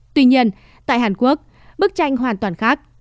tuy nhiên tại hàn quốc bức tranh hoàn toàn khác